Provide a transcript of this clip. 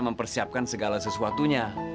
mempersiapkan segala sesuatunya